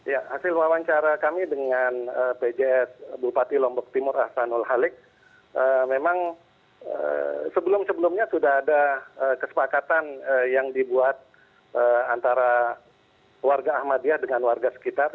ya hasil wawancara kami dengan pjs bupati lombok timur ahsanul halik memang sebelum sebelumnya sudah ada kesepakatan yang dibuat antara warga ahmadiyah dengan warga sekitar